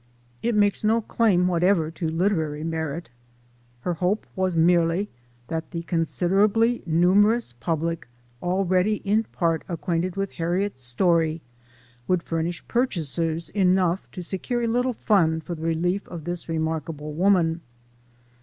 It makes no claim whatever to literary merit. Her hope was merely that the considerably numer ous public already in part acquainted with Harriet's story, would furnish purchasers enough to secure a little fund for the relief of this remarkable woman.